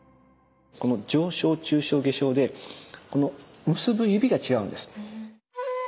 この上生・中生・下生でこの結ぶ指が違うんです。